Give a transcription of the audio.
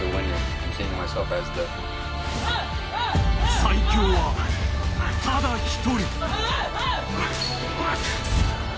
最強は、ただ一人。